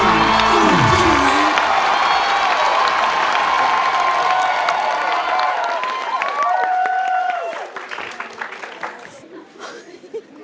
ร้องได้พยายาม